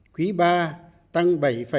quý ba tăng bảy bốn mươi sáu